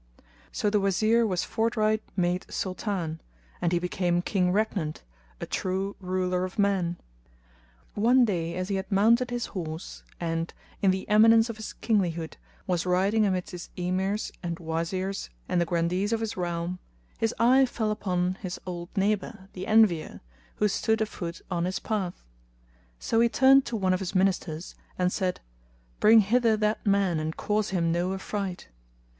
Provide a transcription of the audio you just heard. So the Wazir was forthright made Sultan, and he became King regnant, a true ruler of men. One day as he had mounted his horse; and, in the eminence of his kinglihood, was riding amidst his Emirs and Wazirs and the Grandees of his realm his eye fell upon his old neighbour, the Envier, who stood afoot on his path; so he turned to one of his Ministers, and said, "Bring hither that man and cause him no affright."